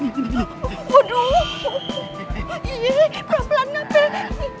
iya pelan pelan nafel